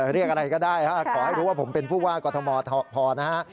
เรียกอะไรก็ได้ขอให้รู้ว่าผมเป็นผู้ว่ากอทมพอนะฮะ